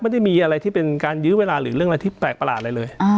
ไม่ได้มีอะไรที่เป็นการยื้อเวลาหรือเรื่องอะไรที่แปลกประหลาดอะไรเลย